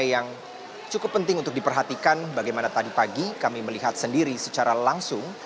yang cukup penting untuk diperhatikan bagaimana tadi pagi kami melihat sendiri secara langsung